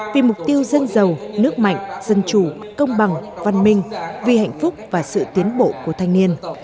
vì mục tiêu dân giàu nước mạnh dân chủ công bằng văn minh vì hạnh phúc và sự tiến bộ của thanh niên